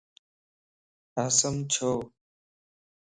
اسم ڇو؟